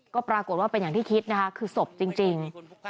ก็ปรากฏว่าเป็นอย่างที่คิดนะคะคือศพจริง